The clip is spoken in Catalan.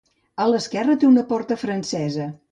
A l'esquerra té una porta francesa.